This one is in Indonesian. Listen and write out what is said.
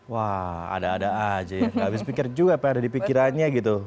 wah ada ada aja ya abis pikir juga apa yang ada di pikirannya gitu